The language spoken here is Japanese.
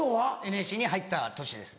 ＮＳＣに入った年です。